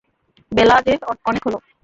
বেলা যে অনেক হল।